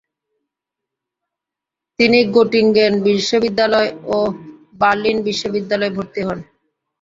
তিনি গটিঙ্গেন বিশ্ববিদ্যালয় ও বার্লিন বিশ্ববিদ্যালয়ে ভর্তি হন।